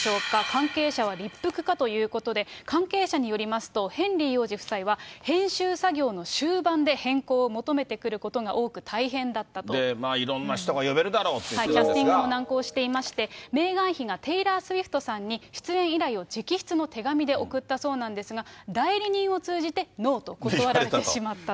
関係者は立腹かということで、関係者によりますと、ヘンリー王子夫妻は、編集作業の終盤で変更を求めてくることが多く、大変だったいろんな人が呼べるだろうっキャスティングも難航していまして、メーガン妃がテイラー・スウィフトさんに出演依頼を直筆の手紙で送ったそうなんですが、代理人を通じてノーと断られてしまったと。